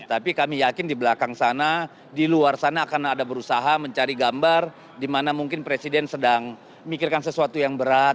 tapi kami yakin di belakang sana di luar sana akan ada berusaha mencari gambar di mana mungkin presiden sedang mikirkan sesuatu yang berat